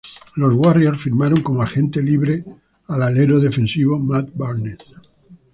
Los Warriors firmaron como agente libre al alero defensivo Matt Barnes.